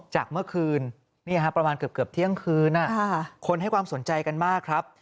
จากเมื่อคืนประมาณเกือบเที่ยงคืนคนให้ความสนใจกันมากครับ